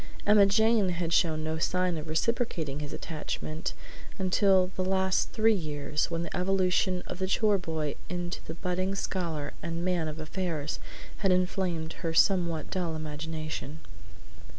Emma Jane had shown no sign of reciprocating his attachment until the last three years, when the evolution of the chore boy into the budding scholar and man of affairs had inflamed even her somewhat dull imagination.